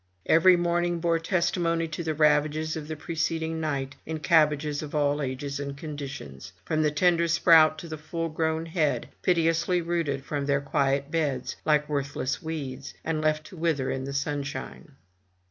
Every morning bore testimony to the ravages of the preceding night in cabbages of all ages and conditions, from the tender sprout to the full grown head, piteously rooted from their quiet beds like worthless weeds, and left to wither in the sunshine.